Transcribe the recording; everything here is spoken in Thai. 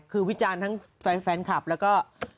คือวิจารณ์ทั้งแฟนคลับแล้วก็